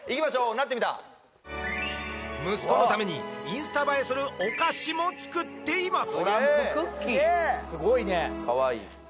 ナッテミタ息子のためにインスタ映えするお菓子も作っています